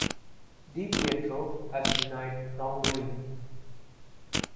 Di Pietro has denied wrongdoing.